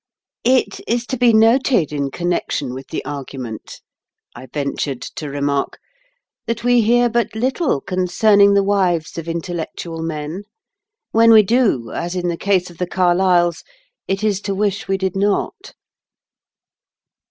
"It is to be noted in connection with the argument," I ventured to remark, "that we hear but little concerning the wives of intellectual men. When we do, as in the case of the Carlyles, it is to wish we did not."